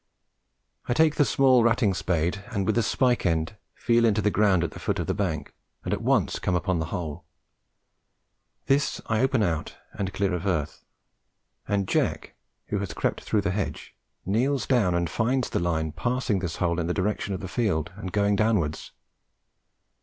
I take the small ratting spade, and with the spike end feel into the ground at the foot of the bank, and at once come upon the hole; this I open out and clear of earth, and Jack, who has crept through the hedge, kneels down and finds the line passing this hole in the direction of the field and going downwards.